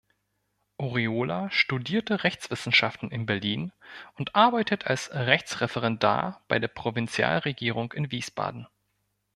Oriola studierte Rechtswissenschaften in Berlin und arbeitet als Rechtsreferendar bei der Provinzialregierung in Wiesbaden.